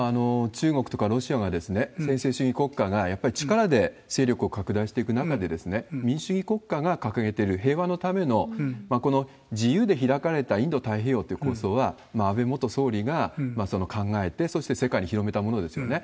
中国とかロシアが、専制主義国家が、やっぱり力で勢力を拡大していく中で、民主主義国家が掲げている平和のための、この自由で開かれたインド太平洋という構想は、安倍元総理が考えて、そして世界に広めたものですよね。